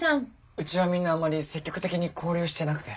うちはみんなあまり積極的に交流してなくて。